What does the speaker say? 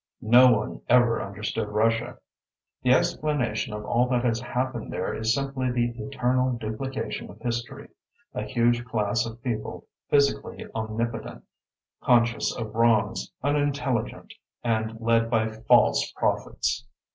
No one ever understood Russia. The explanation of all that has happened there is simply the eternal duplication of history a huge class of people, physically omnipotent, conscious of wrongs, unintelligent, and led by false prophets.